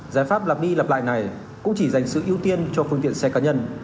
giải pháp lặp đi lặp lại này cũng chỉ dành sự ưu tiên cho phương tiện xe cá nhân